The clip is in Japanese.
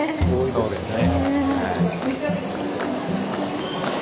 そうですね。